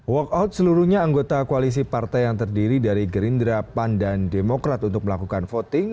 walkout seluruhnya anggota koalisi partai yang terdiri dari gerindra pan dan demokrat untuk melakukan voting